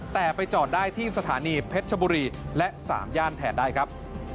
แต่ไปจอดได้ที่สถานีเพชรชบุรีและ๓ย่านแทนได้ครับ